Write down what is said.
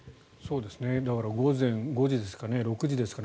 だから午前５時ですかね、６時ですかね